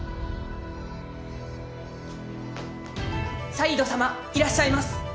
・サイードさまいらっしゃいます。